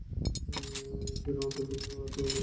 ফিরআউন তাদেরকে একেবারে আটকে ফেলেছিল।